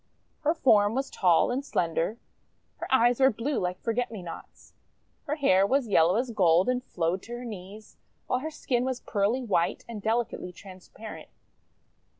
Her form was tall and slender. Her eyes were blue like Forget Me Nots, her hair was yellow as gold and flowed to her knees, while her skin was pearly white and delicately transparent.